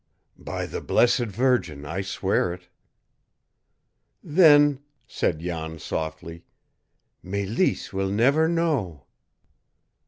"By the blessed Virgin, I swear it!" "Then," said Jan softly, "Mélisse will never know!"